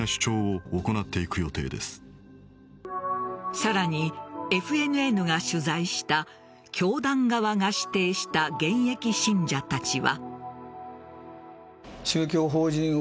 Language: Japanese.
さらに、ＦＮＮが取材した教団側が指定した現役信者たちは。